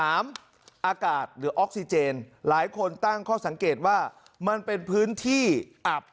อากาศหรือออกซิเจนหลายคนตั้งข้อสังเกตว่ามันเป็นพื้นที่อับ